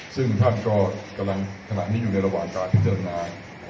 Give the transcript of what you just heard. ซึ่งท่านก็กำลังขณะนี้อยู่ในระหว่างการพิจารณา